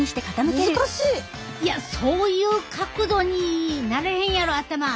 いやそういう角度になれへんやろ頭。